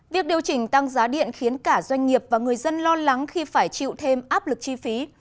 việc điều chỉnh tăng giá điện khiến cả doanh nghiệp và người dân lo lắng khi phải chịu thêm áp lực chi phí